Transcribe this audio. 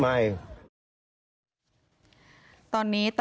นายพิรายุนั่งอยู่ติดกันแบบนี้นะคะ